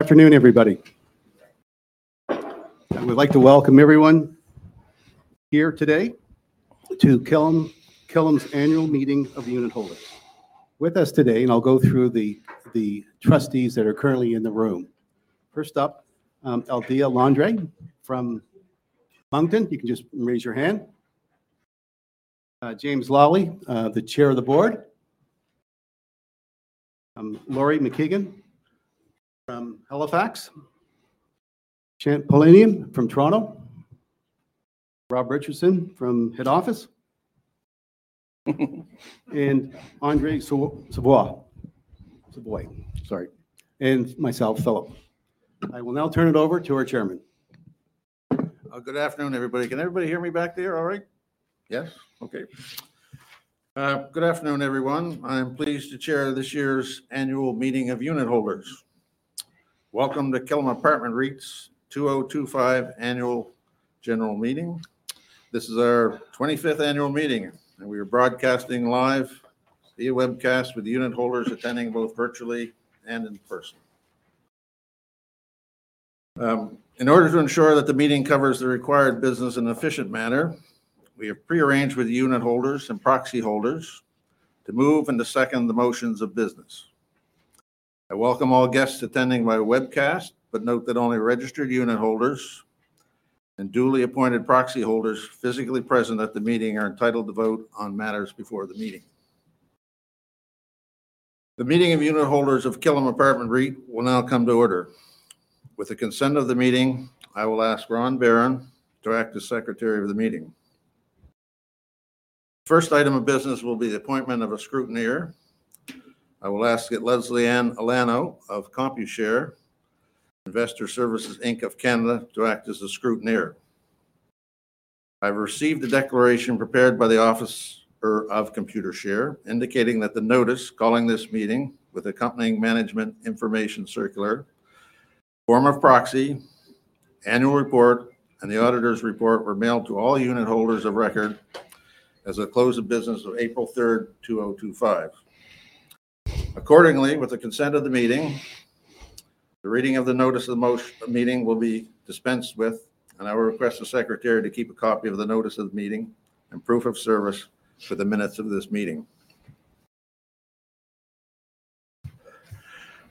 Afternoon, everybody. We'd like to welcome everyone here today to Killam's annual meeting of unit holders. With us today, and I'll go through the trustees that are currently in the room. First up, Aldea Landry from Moncton. You can just raise your hand. James Lawley, the chair of the board. Lori McKeegan from Halifax. Shant Poladian from Toronto. Robert Richardson from head office. And Andree Savoy. Sorry. And myself, Philip. I will now turn it over to our chairman. Good afternoon, everybody. Can everybody hear me back there? All right? Yes? Okay. Good afternoon, everyone. I am pleased to chair this year's annual meeting of unit holders. Welcome to Killam Apartment REIT's 2025 annual general meeting. This is our 25th annual meeting, and we are broadcasting live, via webcast, with unit holders attending both virtually and in person. In order to ensure that the meeting covers the required business in an efficient manner, we have pre-arranged with unit holders and proxy holders to move and to second the motions of business. I welcome all guests attending by webcast, but note that only registered unit holders and duly appointed proxy holders physically present at the meeting are entitled to vote on matters before the meeting. The meeting of unit holders of Killam Apartment REIT will now come to order. With the consent of the meeting, I will ask Ron Barron to act as secretary of the meeting. First item of business will be the appointment of a scrutineer. I will ask Lesley Anne Alano of Computershare Investor Services Inc. of Canada to act as the scrutineer. I've received the declaration prepared by the Officer of Computershare, indicating that the notice calling this meeting with accompanying management information circular, form of proxy, annual report, and the auditor's report were mailed to all unit holders of record as of close of business of April 3rd, 2025. Accordingly, with the consent of the meeting, the reading of the notice of the motion of meeting will be dispensed with, and I will request the secretary to keep a copy of the notice of the meeting and proof of service for the minutes of this meeting.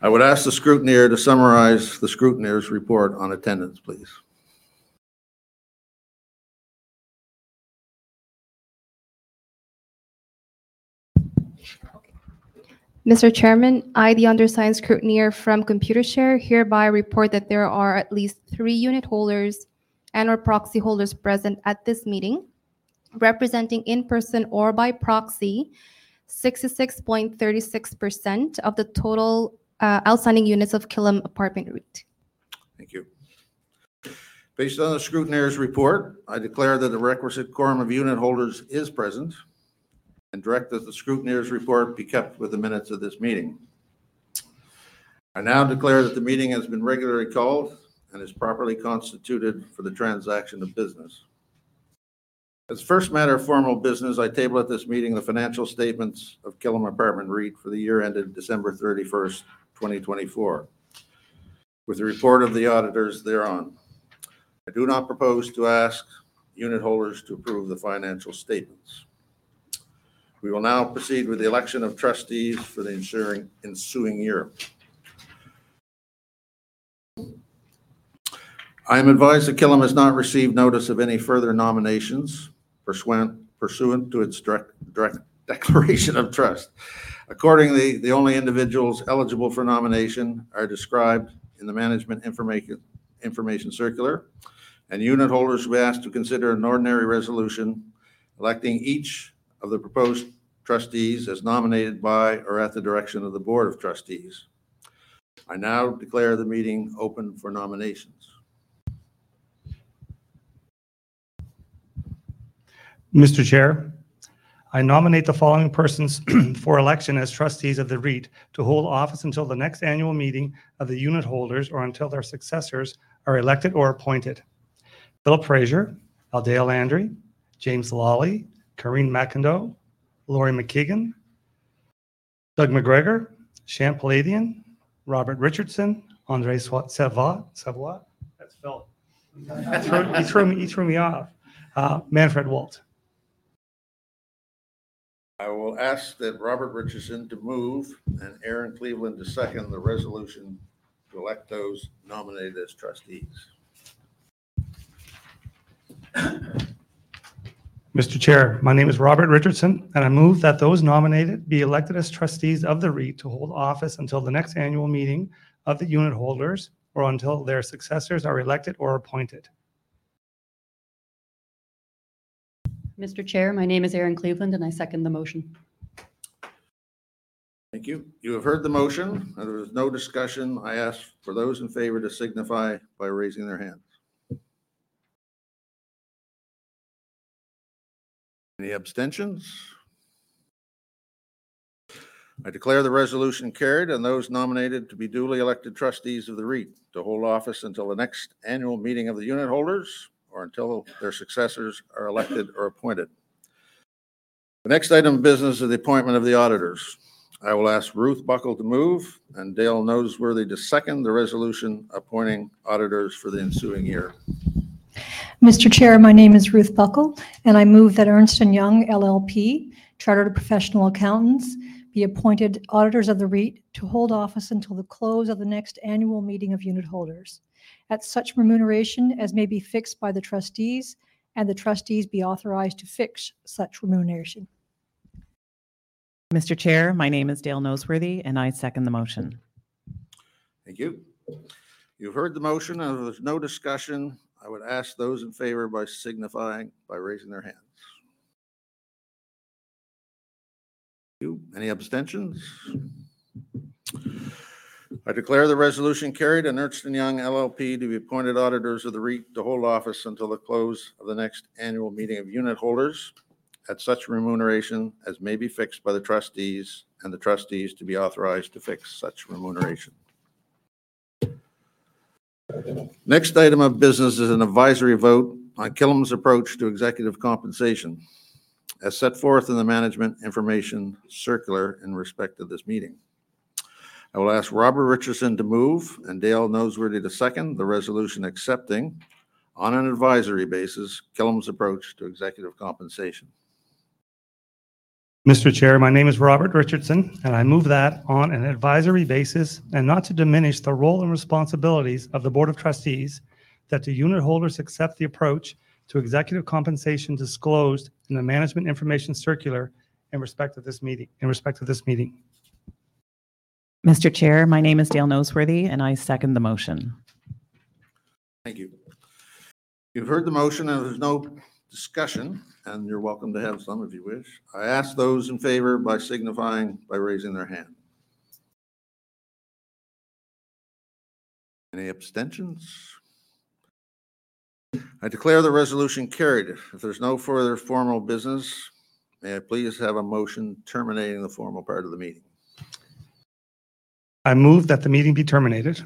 I would ask the scrutineer to summarize the scrutineer's report on attendance, please. Mr. Chairman, I, the undersigned scrutineer from Computershare, hereby report that there are at least three unit holders and/or proxy holders present at this meeting, representing in person or by proxy, 66.36% of the total outstanding units of Killam Apartment REIT. Thank you. Based on the scrutineer's report, I declare that the requisite quorum of unit holders is present and direct that the scrutineer's report be kept with the minutes of this meeting. I now declare that the meeting has been regularly called and is properly constituted for the transaction of business. As first matter of formal business, I table at this meeting the financial statements of Killam Apartment REIT for the year ended December 31st, 2024, with the report of the auditors thereon. I do not propose to ask unit holders to approve the financial statements. We will now proceed with the election of trustees for the ensuing year. I am advised that Killam has not received notice of any further nominations pursuant to its direct declaration of trust. Accordingly, the only individuals eligible for nomination are described in the management information circular, and unit holders will be asked to consider an ordinary resolution electing each of the proposed trustees as nominated by or at the direction of the board of trustees. I now declare the meeting open for nominations. Mr. Chair, I nominate the following persons for election as trustees of the REIT to hold office until the next annual meeting of the unit holders or until their successors are elected or appointed: Philip Fraser, Aldea Landry, James Lawley, Kareen McIndoe, Lori McKeegan, Doug McGregor, Shant Poladian, Robert Richardson, Andree Savoy. He threw me off. Manfred Walt. I will ask that Robert Richardson to move and Erin Cleveland to second the resolution to elect those nominated as trustees. Mr. Chair, my name is Robert Richardson, and I move that those nominated be elected as trustees of the REIT to hold office until the next annual meeting of the unit holders or until their successors are elected or appointed. Mr. Chair, my name is Erin Cleveland, and I second the motion. Thank you. You have heard the motion, and there is no discussion. I ask for those in favor to signify by raising their hands. Any abstentions? I declare the resolution carried and those nominated to be duly elected trustees of the REIT to hold office until the next annual meeting of the unit holders or until their successors are elected or appointed. The next item of business is the appointment of the auditors. I will ask Ruth Buckle to move and Dale Noseworthy to second the resolution appointing auditors for the ensuing year. Mr. Chair, my name is Ruth Buckle, and I move that Ernst & Young LLP, Chartered Professional Accountants, be appointed auditors of the REIT to hold office until the close of the next annual meeting of unit holders at such remuneration as may be fixed by the trustees and the trustees be authorized to fix such remuneration. Mr. Chair, my name is Dale Noseworthy, and I second the motion. Thank you. You've heard the motion, and there's no discussion. I would ask those in favor by signifying by raising their hands. Any abstentions? I declare the resolution carried and Ernst & Young LLP, to be appointed auditors of the REIT to hold office until the close of the next annual meeting of unit holders at such remuneration as may be fixed by the trustees and the trustees to be authorized to fix such remuneration. Next item of business is an advisory vote on Killam's approach to executive compensation as set forth in the management information circular in respect of this meeting. I will ask Robert Richardson to move and Dale Noseworthy to second the resolution accepting on an advisory basis Killam's approach to executive compensation. Mr. Chair, my name is Robert Richardson, and I move that on an advisory basis and not to diminish the role and responsibilities of the Board of Trustees that the unit holders accept the approach to executive compensation disclosed in the management information circular in respect of this meeting. Mr. Chair, my name is Dale Noseworthy, and I second the motion. Thank you. You've heard the motion, and there's no discussion, and you're welcome to have some if you wish. I ask those in favor by signifying by raising their hand. Any abstentions? I declare the resolution carried. If there's no further formal business, may I please have a motion terminating the formal part of the meeting? I move that the meeting be terminated.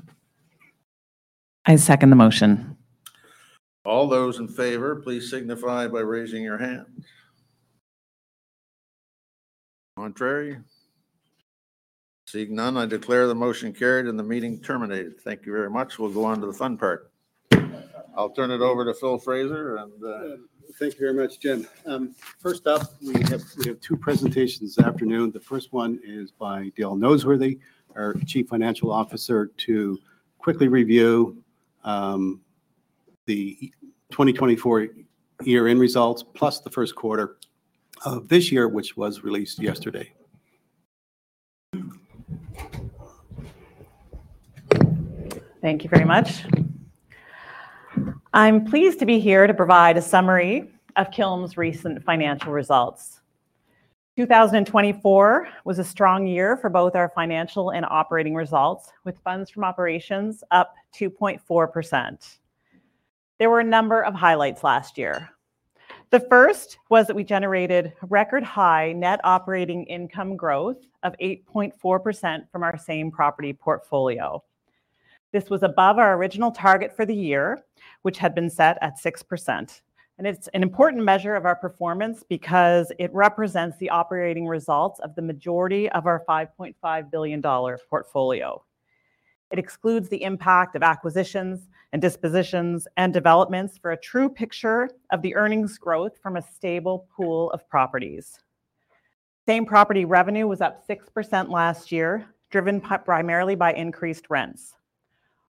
I second the motion. All those in favor, please signify by raising your hand. Contrary? Seeing none, I declare the motion carried and the meeting terminated. Thank you very much. We'll go on to the fun part. I'll turn it over to Phil Fraser and. Thank you very much, Jim. First up, we have two presentations this afternoon. The first one is by Dale Noseworthy, our Chief Financial Officer, to quickly review the 2024 year-end results plus the first quarter of this year, which was released yesterday. Thank you very much. I'm pleased to be here to provide a summary of Killam's recent financial results. 2024 was a strong year for both our financial and operating results, with funds from operations up 2.4%. There were a number of highlights last year. The first was that we generated record-high net operating income growth of 8.4% from our same property portfolio. This was above our original target for the year, which had been set at 6%. It is an important measure of our performance because it represents the operating results of the majority of our 5.5 billion dollar portfolio. It excludes the impact of acquisitions and dispositions and developments for a true picture of the earnings growth from a stable pool of properties. Same property revenue was up 6% last year, driven primarily by increased rents.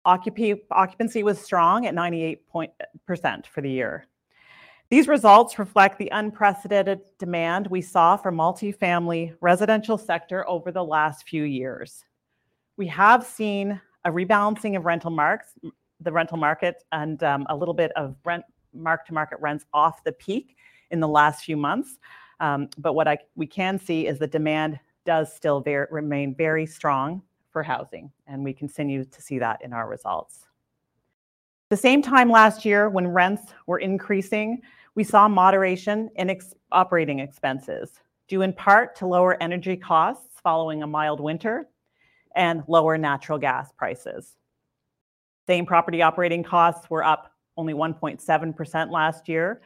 Occupancy was strong at 98% for the year. These results reflect the unprecedented demand we saw for the multi-family residential sector over the last few years. We have seen a rebalancing of the rental market and a little bit of rent mark-to-market rents off the peak in the last few months. What we can see is the demand does still remain very strong for housing, and we continue to see that in our results. At the same time last year, when rents were increasing, we saw moderation in operating expenses due in part to lower energy costs following a mild winter and lower natural gas prices. Same property operating costs were up only 1.7% last year,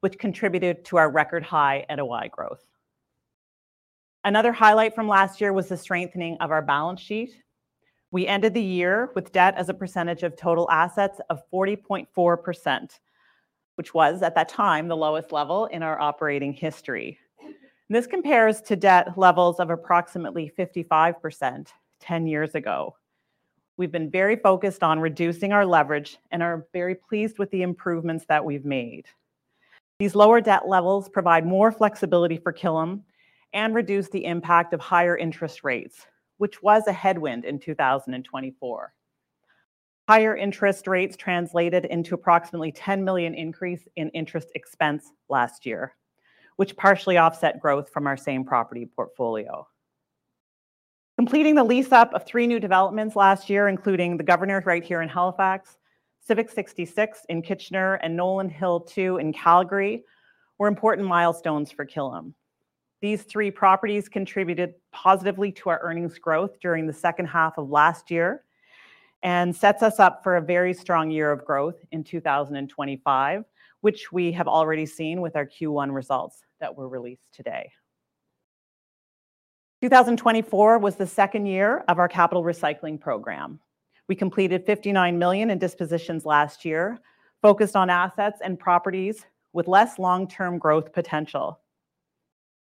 which contributed to our record-high NOI growth. Another highlight from last year was the strengthening of our balance sheet. We ended the year with debt as a percentage of total assets of 40.4%, which was at that time the lowest level in our operating history. This compares to debt levels of approximately 55% 10 years ago. We've been very focused on reducing our leverage and are very pleased with the improvements that we've made. These lower debt levels provide more flexibility for Killam and reduce the impact of higher interest rates, which was a headwind in 2024. Higher interest rates translated into approximately 10 million increase in interest expense last year, which partially offset growth from our same property portfolio. Completing the lease-up of three new developments last year, including the Governor's REIT here in Halifax, Civic 66 in Kitchener, and Nolan Hill 2 in Calgary, were important milestones for Killam. These three properties contributed positively to our earnings growth during the second half of last year and set us up for a very strong year of growth in 2025, which we have already seen with our Q1 results that were released today. 2024 was the second year of our capital recycling program. We completed 59 million in dispositions last year, focused on assets and properties with less long-term growth potential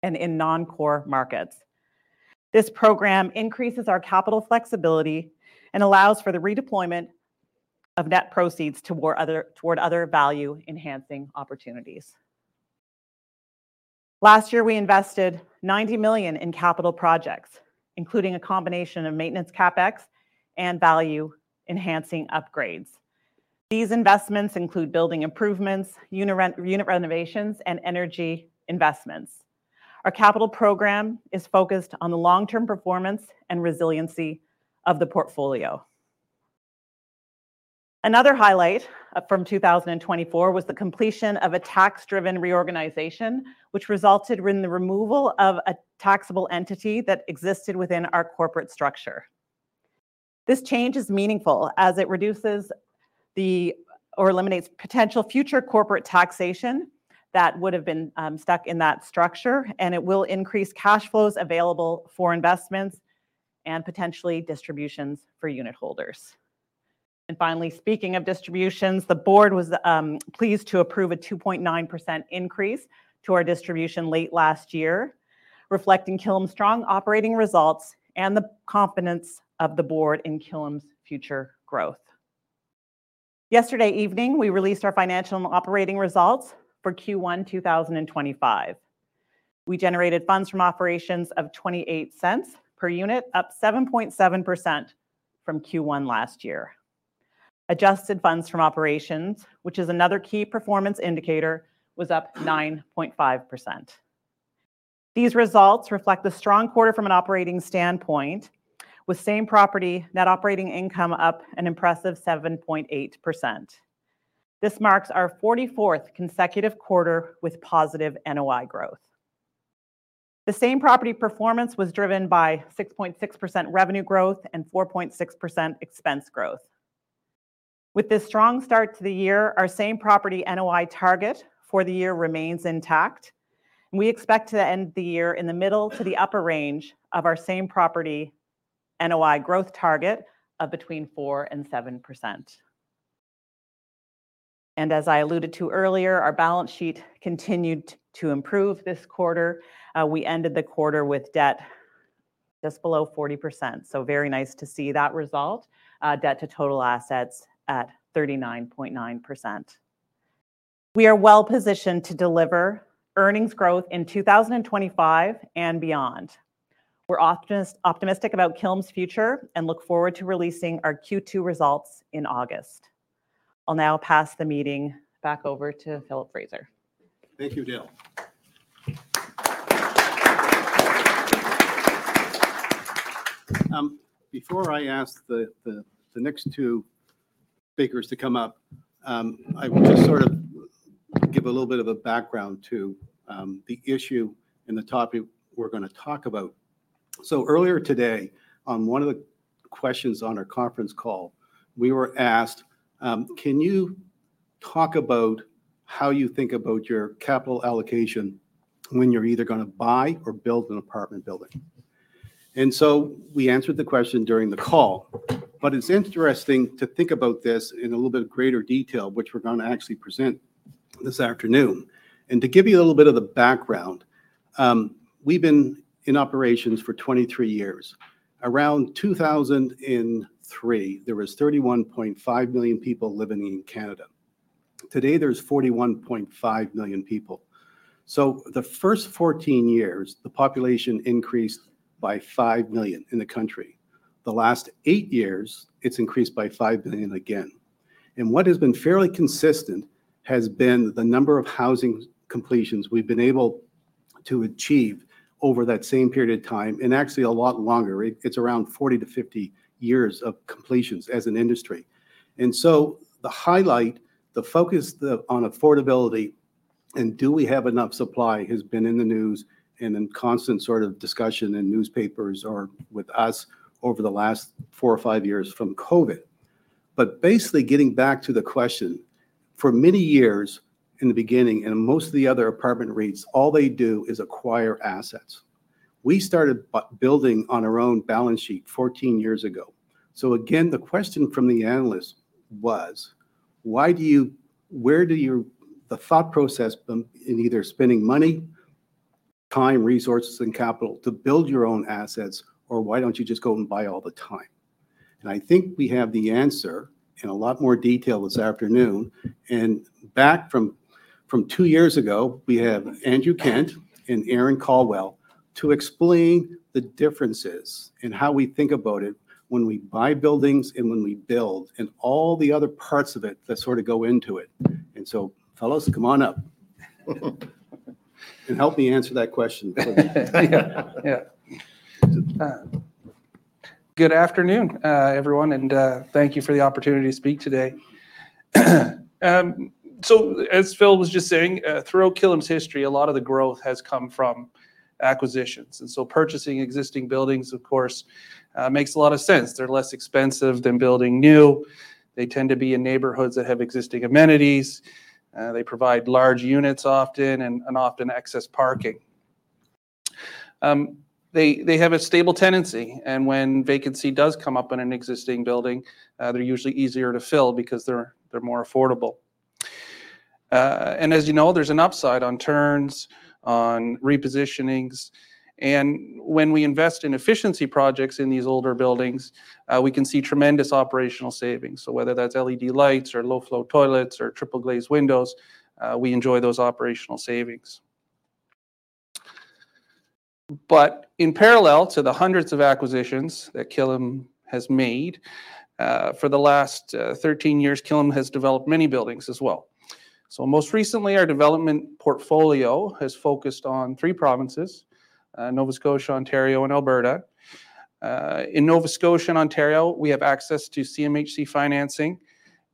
and in non-core markets. This program increases our capital flexibility and allows for the redeployment of net proceeds toward other value-enhancing opportunities. Last year, we invested 90 million in capital projects, including a combination of maintenance CapEx and value-enhancing upgrades. These investments include building improvements, unit renovations, and energy investments. Our capital program is focused on the long-term performance and resiliency of the portfolio. Another highlight from 2024 was the completion of a tax-driven reorganization, which resulted in the removal of a taxable entity that existed within our corporate structure. This change is meaningful as it reduces or eliminates potential future corporate taxation that would have been stuck in that structure, and it will increase cash flows available for investments and potentially distributions for unit holders. Finally, speaking of distributions, the board was pleased to approve a 2.9% increase to our distribution late last year, reflecting Killam's strong operating results and the confidence of the board in Killam's future growth. Yesterday evening, we released our financial and operating results for Q1 2025. We generated funds from operations of 0.28 per unit, up 7.7% from Q1 last year. Adjusted funds from operations, which is another key performance indicator, was up 9.5%. These results reflect a strong quarter from an operating standpoint, with same property net operating income up an impressive 7.8%. This marks our 44th consecutive quarter with positive NOI growth. The same property performance was driven by 6.6% revenue growth and 4.6% expense growth. With this strong start to the year, our same property NOI target for the year remains intact. We expect to end the year in the middle to the upper range of our same property NOI growth target of between 4% and 7%. As I alluded to earlier, our balance sheet continued to improve this quarter. We ended the quarter with debt just below 40%. Very nice to see that result, debt to total assets at 39.9%. We are well-positioned to deliver earnings growth in 2025 and beyond. We're optimistic about Killam's future and look forward to releasing our Q2 results in August. I'll now pass the meeting back over to Phil Fraser. Thank you, Dale. Before I ask the next two speakers to come up, I will just sort of give a little bit of a background to the issue and the topic we're going to talk about. Earlier today, on one of the questions on our conference call, we were asked, "Can you talk about how you think about your capital allocation when you're either going to buy or build an apartment building?" We answered the question during the call, but it is interesting to think about this in a little bit of greater detail, which we're going to actually present this afternoon. To give you a little bit of the background, we've been in operations for 23 years. Around 2003, there were 31.5 million people living in Canada. Today, there are 41.5 million people. The first 14 years, the population increased by 5 million in the country. The last eight years, it's increased by 5 million again. What has been fairly consistent has been the number of housing completions we've been able to achieve over that same period of time, and actually a lot longer. It's around 40-50 years of completions as an industry. The highlight, the focus on affordability and do we have enough supply has been in the news and in constant sort of discussion in newspapers or with us over the last four or five years from COVID. Basically getting back to the question, for many years in the beginning and most of the other apartment REITs, all they do is acquire assets. We started building on our own balance sheet 14 years ago. Again, the question from the analysts was, "Why do you—where do you—the thought process in either spending money, time, resources, and capital to build your own assets, or why do you not just go and buy all the time?" I think we have the answer in a lot more detail this afternoon. Back from two years ago, we have Andrew Kent and Erin Cleveland to explain the differences and how we think about it when we buy buildings and when we build and all the other parts of it that sort of go into it. Fellows, come on up and help me answer that question. Good afternoon, everyone, and thank you for the opportunity to speak today. As Phil was just saying, throughout Killam's history, a lot of the growth has come from acquisitions. Purchasing existing buildings, of course, makes a lot of sense. They're less expensive than building new. They tend to be in neighborhoods that have existing amenities. They provide large units often and often access parking. They have a stable tenancy. When vacancy does come up in an existing building, they're usually easier to fill because they're more affordable. As you know, there's an upside on turns, on repositionings. When we invest in efficiency projects in these older buildings, we can see tremendous operational savings. Whether that's LED lights or low-flow toilets or triple-glazed windows, we enjoy those operational savings. In parallel to the hundreds of acquisitions that Killam has made, for the last 13 years, Killam has developed many buildings as well. Most recently, our development portfolio has focused on three provinces: Nova Scotia, Ontario, and Alberta. In Nova Scotia and Ontario, we have access to CMHC financing.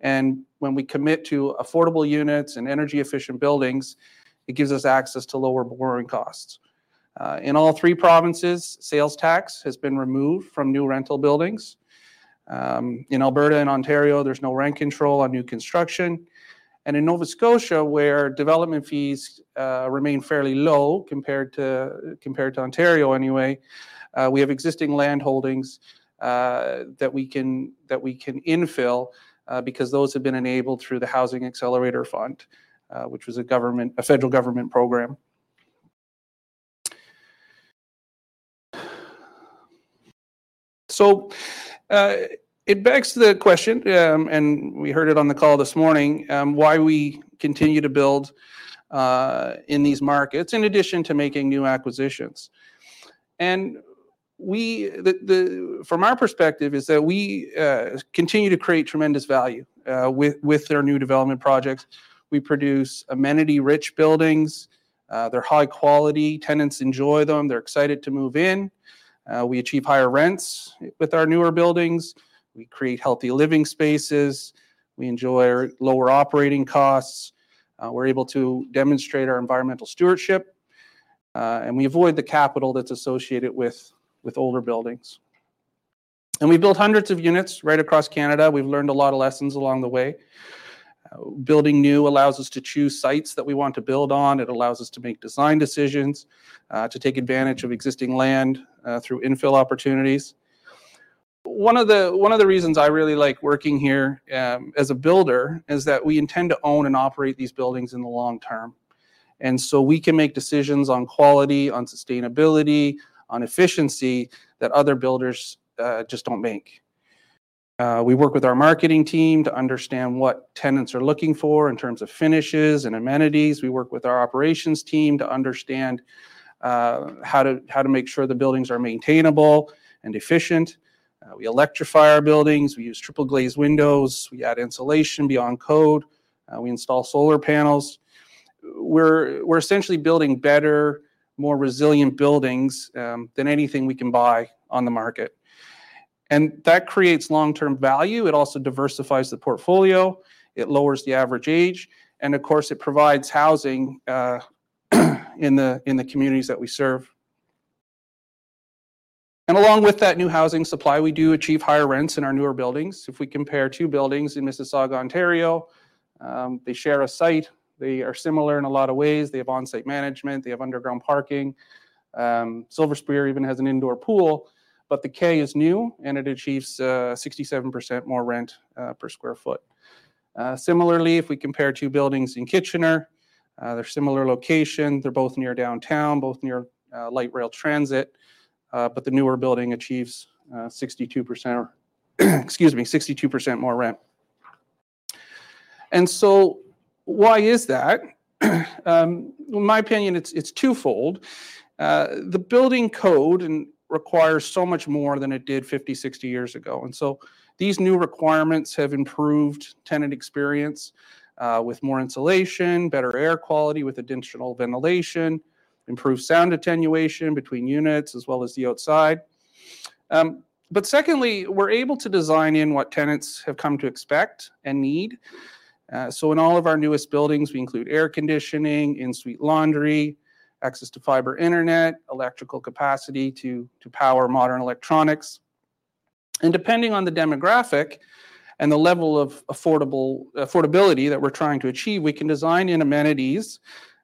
When we commit to affordable units and energy-efficient buildings, it gives us access to lower borrowing costs. In all three provinces, sales tax has been removed from new rental buildings. In Alberta and Ontario, there is no rent control on new construction. In Nova Scotia, where development fees remain fairly low compared to Ontario anyway, we have existing land holdings that we can infill because those have been enabled through the Housing Accelerator Fund, which was a federal government program. It begs the question, and we heard it on the call this morning, why we continue to build in these markets in addition to making new acquisitions. From our perspective, we continue to create tremendous value with our new development projects. We produce amenity-rich buildings. They are high quality. Tenants enjoy them. They are excited to move in. We achieve higher rents with our newer buildings. We create healthy living spaces. We enjoy lower operating costs. We are able to demonstrate our environmental stewardship. We avoid the capital that is associated with older buildings. We have built hundreds of units right across Canada. We have learned a lot of lessons along the way. Building new allows us to choose sites that we want to build on. It allows us to make design decisions, to take advantage of existing land through infill opportunities. One of the reasons I really like working here as a builder is that we intend to own and operate these buildings in the long term. We can make decisions on quality, on sustainability, on efficiency that other builders just do not make. We work with our marketing team to understand what tenants are looking for in terms of finishes and amenities. We work with our operations team to understand how to make sure the buildings are maintainable and efficient. We electrify our buildings. We use triple-glazed windows. We add insulation beyond code. We install solar panels. We are essentially building better, more resilient buildings than anything we can buy on the market. That creates long-term value. It also diversifies the portfolio. It lowers the average age. Of course, it provides housing in the communities that we serve. Along with that new housing supply, we do achieve higher rents in our newer buildings. If we compare two buildings in Mississauga, Ontario, they share a site. They are similar in a lot of ways. They have on-site management. They have underground parking. Silver Spear even has an indoor pool. The Kay is new, and it achieves 67% more rent per sq ft. Similarly, if we compare two buildings in Kitchener, they are similar location. They are both near downtown, both near light rail transit. The newer building achieves 62% more rent. Why is that? In my opinion, it is twofold. The building code requires so much more than it did 50-60 years ago. These new requirements have improved tenant experience with more insulation, better air quality with additional ventilation, improved sound attenuation between units as well as the outside. Secondly, we're able to design in what tenants have come to expect and need. In all of our newest buildings, we include air conditioning, en-suite laundry, access to fiber internet, electrical capacity to power modern electronics. Depending on the demographic and the level of affordability that we're trying to achieve, we can design in amenities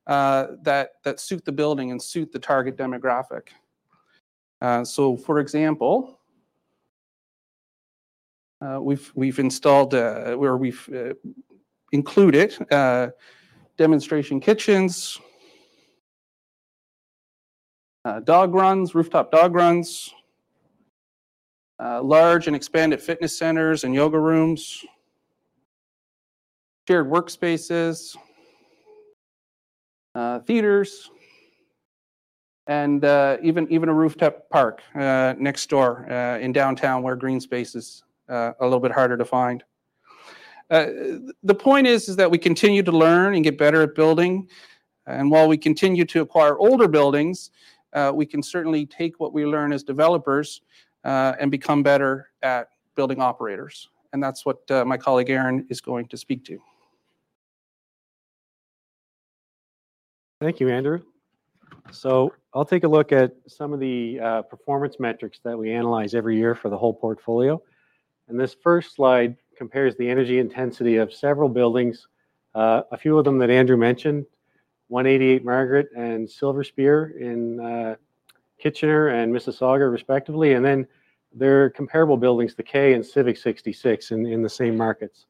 that suit the building and suit the target demographic. For example, we've included demonstration kitchens, dog runs, rooftop dog runs, large and expanded fitness centers and yoga rooms, shared workspaces, theaters, and even a rooftop park next door in downtown where green space is a little bit harder to find. The point is that we continue to learn and get better at building. While we continue to acquire older buildings, we can certainly take what we learn as developers and become better at building operators. That is what my colleague Erin is going to speak to. Thank you, Andrew. I'll take a look at some of the performance metrics that we analyze every year for the whole portfolio. This first slide compares the energy intensity of several buildings, a few of them that Andrew mentioned, 188 Margaret and Silver Spear in Kitchener and Mississauga respectively. There are comparable buildings, the Kay and Civic 66 in the same markets.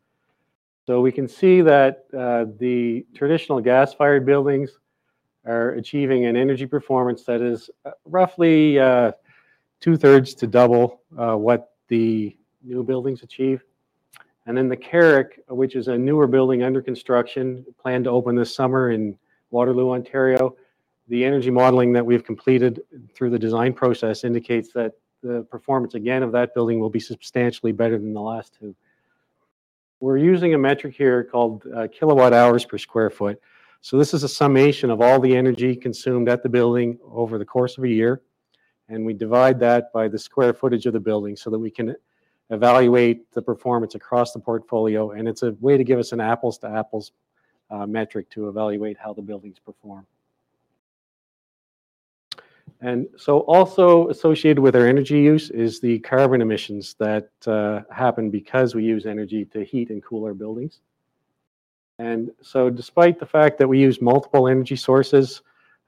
We can see that the traditional gas-fired buildings are achieving an energy performance that is roughly two-thirds to double what the new buildings achieve. The Carrick, which is a newer building under construction, planned to open this summer in Waterloo, Ontario, the energy modeling that we've completed through the design process indicates that the performance, again, of that building will be substantially better than the last two. We're using a metric here called kilowatt-hours per square foot. This is a summation of all the energy consumed at the building over the course of a year. We divide that by the square footage of the building so that we can evaluate the performance across the portfolio. It is a way to give us an apples-to-apples metric to evaluate how the buildings perform. Also associated with our energy use are the carbon emissions that happen because we use energy to heat and cool our buildings. Despite the fact that we use multiple energy sources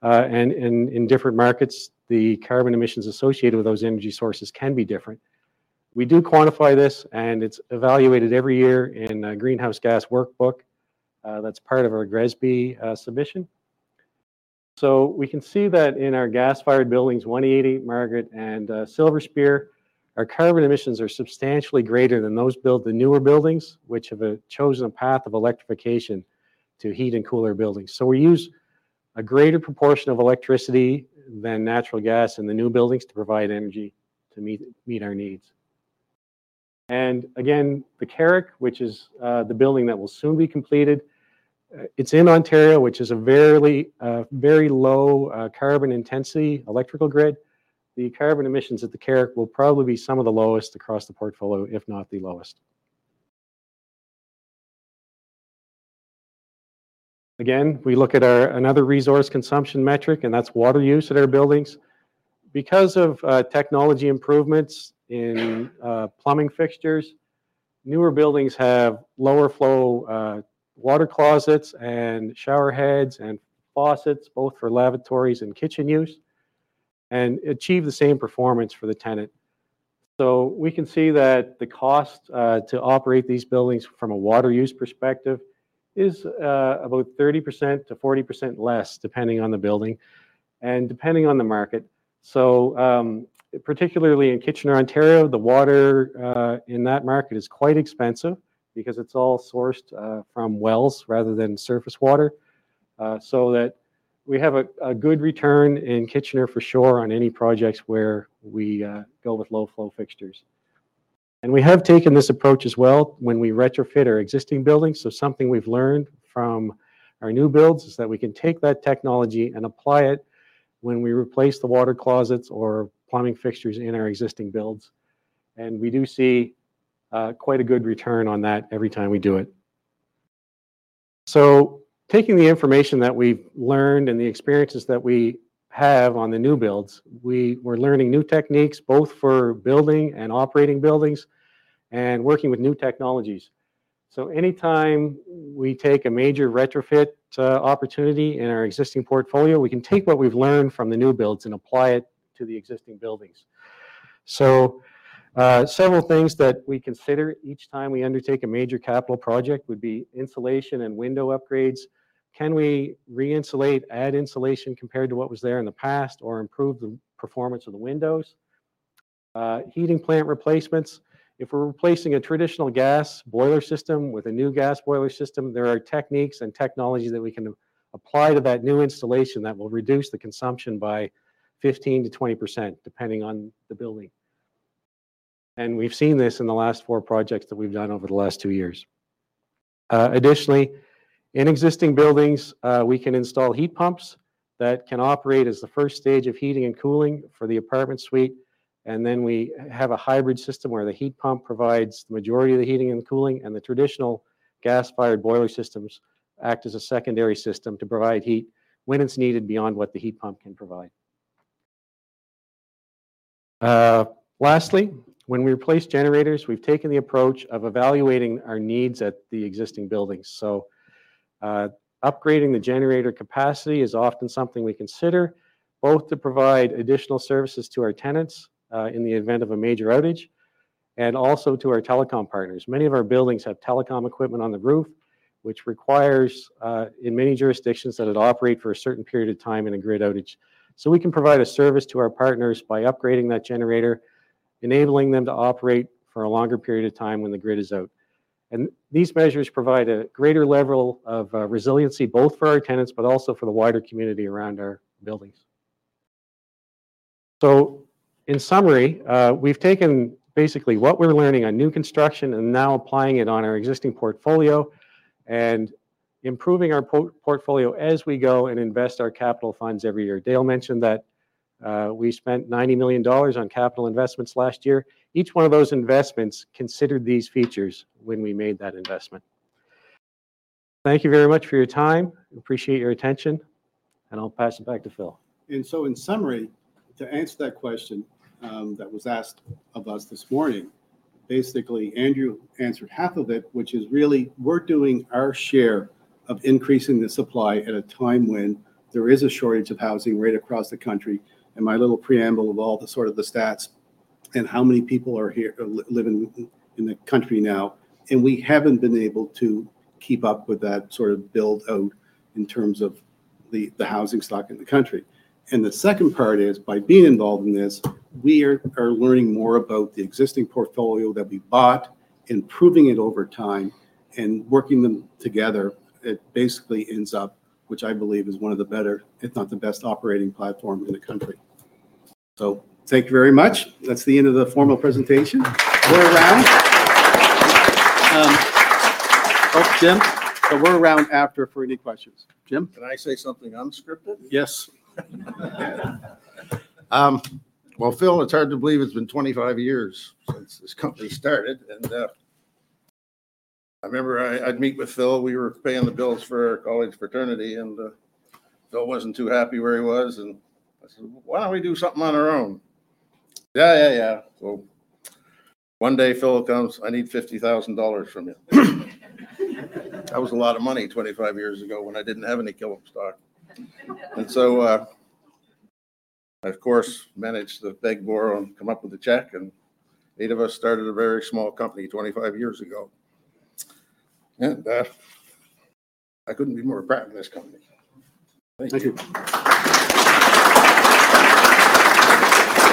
in different markets, the carbon emissions associated with those energy sources can be different. We do quantify this, and it is evaluated every year in a greenhouse gas workbook that is part of our GRESB submission. We can see that in our gas-fired buildings, 188 Margaret and Silver Spear, our carbon emissions are substantially greater than those built in the newer buildings, which have chosen a path of electrification to heat and cool our buildings. We use a greater proportion of electricity than natural gas in the new buildings to provide energy to meet our needs. Again, the Carrick, which is the building that will soon be completed, is in Ontario, which is a very low carbon intensity electrical grid. The carbon emissions at the Carrick will probably be some of the lowest across the portfolio, if not the lowest. Again, we look at another resource consumption metric, and that is water use at our buildings. Because of technology improvements in plumbing fixtures, newer buildings have lower-flow water closets and shower heads and faucets, both for lavatories and kitchen use, and achieve the same performance for the tenant. We can see that the cost to operate these buildings from a water use perspective is about 30%-40% less, depending on the building and depending on the market. Particularly in Kitchener, Ontario, the water in that market is quite expensive because it is all sourced from wells rather than surface water. We have a good return in Kitchener, for sure, on any projects where we go with low-flow fixtures. We have taken this approach as well when we retrofit our existing buildings. Something we have learned from our new builds is that we can take that technology and apply it when we replace the water closets or plumbing fixtures in our existing builds. We do see quite a good return on that every time we do it. Taking the information that we have learned and the experiences that we have on the new builds, we are learning new techniques both for building and operating buildings and working with new technologies. Anytime we take a major retrofit opportunity in our existing portfolio, we can take what we have learned from the new builds and apply it to the existing buildings. Several things that we consider each time we undertake a major capital project would be insulation and window upgrades. Can we re-insulate, add insulation compared to what was there in the past, or improve the performance of the windows? Heating plant replacements. If we're replacing a traditional gas boiler system with a new gas boiler system, there are techniques and technologies that we can apply to that new installation that will reduce the consumption by 15%-20%, depending on the building. We've seen this in the last four projects that we've done over the last two years. Additionally, in existing buildings, we can install heat pumps that can operate as the first stage of heating and cooling for the apartment suite. We have a hybrid system where the heat pump provides the majority of the heating and cooling, and the traditional gas-fired boiler systems act as a secondary system to provide heat when it's needed beyond what the heat pump can provide. Lastly, when we replace generators, we've taken the approach of evaluating our needs at the existing buildings. Upgrading the generator capacity is often something we consider, both to provide additional services to our tenants in the event of a major outage and also to our telecom partners. Many of our buildings have telecom equipment on the roof, which requires in many jurisdictions that it operate for a certain period of time in a grid outage. We can provide a service to our partners by upgrading that generator, enabling them to operate for a longer period of time when the grid is out. These measures provide a greater level of resiliency both for our tenants, but also for the wider community around our buildings. In summary, we've taken basically what we're learning on new construction and now applying it on our existing portfolio and improving our portfolio as we go and invest our capital funds every year. Dale mentioned that we spent 90 million dollars on capital investments last year. Each one of those investments considered these features when we made that investment. Thank you very much for your time. Appreciate your attention. I'll pass it back to Phil. In summary, to answer that question that was asked of us this morning, basically, Andrew answered half of it, which is really we're doing our share of increasing the supply at a time when there is a shortage of housing right across the country. My little preamble of all the sort of the stats and how many people live in the country now, and we haven't been able to keep up with that sort of build-out in terms of the housing stock in the country. The second part is by being involved in this, we are learning more about the existing portfolio that we bought, improving it over time, and working them together. It basically ends up, which I believe is one of the better, if not the best operating platforms in the country. Thank you very much. That is the end of the formal presentation. We're around. Oh, Jim, but we're around after for any questions. Jim. Can I say something unscripted? Yes. Phil, it's hard to believe it's been 25 years since this company started. I remember I'd meet with Phil. We were paying the bills for college fraternity, and Phil was not too happy where he was. I said, "Why don't we do something on our own?" "Yeah, yeah, yeah." One day Phil comes, "I need 50,000 dollars from you." That was a lot of money 25 years ago when I did not have any Killam stock. I managed to beg, borrow, and come up with a cheque. Eight of us started a very small company 25 years ago. I could not be more proud of this company. Thank you. Thank you.